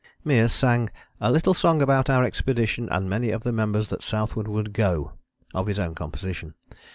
Meares sang "a little song about our Expedition, and many of the members that Southward would go," of his own composition.